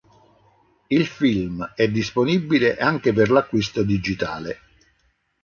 Il film è disponibile anche per l'acquisto digitale.